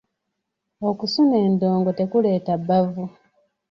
Okusuna endongo tekuleeta bbavu.